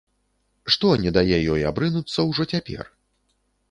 Што не дае ёй абрынуцца ўжо цяпер?